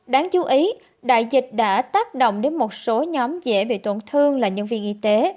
đáng chú ý đại dịch đã tác động đến một số nhóm dễ bị tổn thương là nhân viên y tế